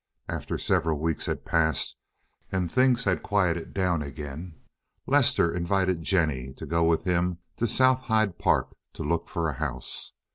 After several weeks had passed, and things had quieted down again, Lester invited Jennie to go with him to South Hyde Park to look for a house.